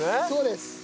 そうです。